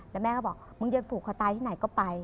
แล้วแม่ก็บอกมึงจะผูกคอตายที่ไหนก็ไป